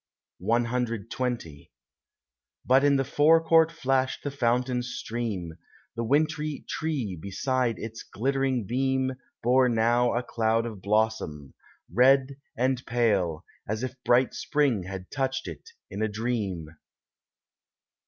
CXX But in the forecourt flashed the fountain's stream, The wintry tree beside its glittering beam Bore now a cloud of blossom, red and pale, As if bright spring had touched it in a dream.